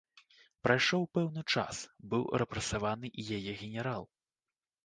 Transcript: Прайшоў пэўны час, быў рэпрэсаваны і яе генерал.